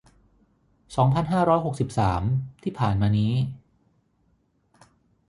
สองพันห้าร้อยหกสิบสาม ที่ผ่านมานี้